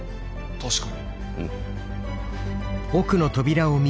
確かに。